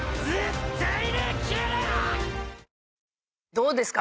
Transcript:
どうですか？